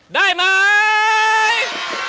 ได้ไหม